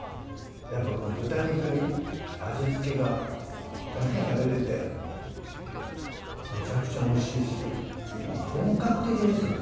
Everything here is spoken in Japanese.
やっぱその豚肉に味付けがちゃんとされててめちゃくちゃおいしいし本格的ですよ